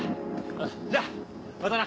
じゃあまたな！